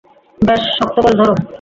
বেশ, শক্ত করে ধরো।